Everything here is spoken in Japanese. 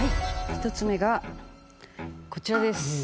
１つ目がこちらです。